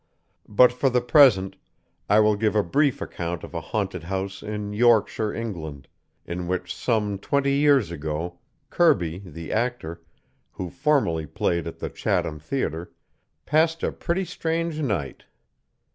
But for the present, I will give a brief account of a haunted house in Yorkshire, England, in which some twenty years ago, Kirby, the actor, who formerly played at the Chatham Theatre, passed a pretty strange night.